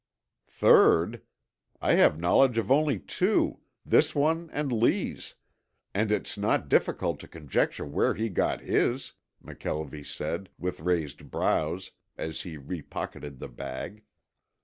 "Third? I have knowledge of only two, this one and Lee's, and it's not difficult to conjecture where he got his," McKelvie said, with raised brows, as he repocketed the bag.